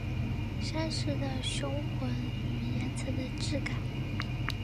山势的雄浑与岩层的质感